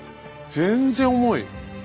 全然重い。